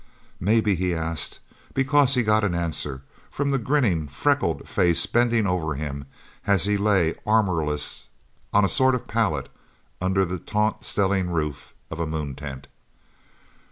Maybe he asked, because he got an answer from the grinning, freckled face bending over him, as he lay, armorless, on a sort of pallet, under the taut stellene roof of a Moontent.